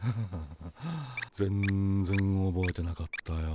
全然おぼえてなかったよ。